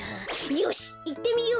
よしいってみよう！